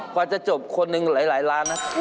กว่าจะจบคนหนึ่งหลายล้านนะ